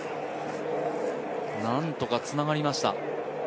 なんとかつながりました。